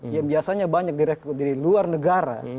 yang biasanya banyak direktur dari luar negara